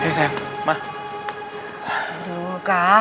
pemburu berhenti masuk